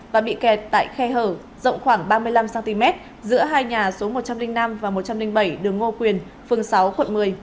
và bị kẹt tại khe hở rộng khoảng ba mươi năm cm giữa hai nhà số một trăm linh năm và một trăm linh bảy đường ngô quyền phường sáu quận một mươi